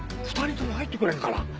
２人とも入ってくれんかな。